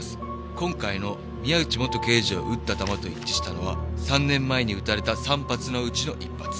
今回の宮内元刑事を撃った弾と一致したのは３年前に撃たれた３発のうちの１発。